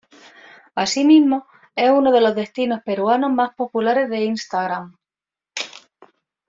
Asimismo es uno de los destinos peruanos más populares de Instagram.